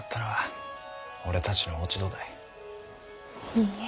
いいえ。